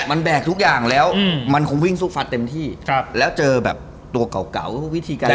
มันแบกทุกอย่างแล้วมันคงวิ่งสู้ฟัดเต็มที่ครับแล้วเจอแบบตัวเก่าเก่าวิธีการ